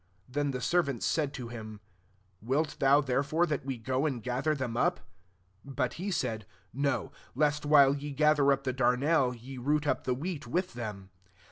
Then the servants said to him, *Wilt thou therefore that we go and gather them up ?' 29 But he said, ^ No ; lest while ye ga ther up the darnel, ye root up the wheat with them.